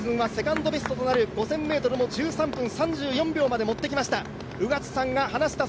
今シーズンはセカンドベストとなる５０００ｍ１３分３４秒まで持ってきました。